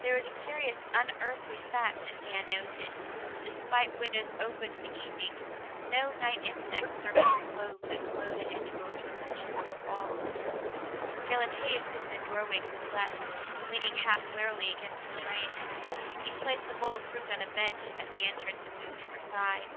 There was a curious, unearthly fact that Dan noted; despite windows open to the evening, no night insects circled the globes that glowed at intervals from niches in the walls. Galatea stood in a doorway to his left, leaning half wearily against the frame; he placed the bowl of fruit on a bench at the entrance and moved to her side.